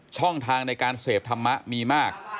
ช่องทางในการเสพธรรมะมีมาก